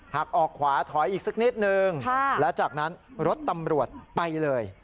หากออกขวาถอยอีกสักนิดนึงและจากนั้นรถตำรวจไปเลย